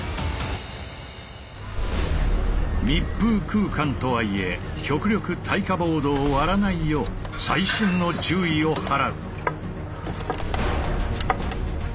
密封空間とはいえ極力耐火ボードを割らないよう細心の注意を払う。